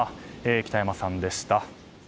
北山さんでした。